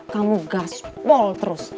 kamu gaspol terus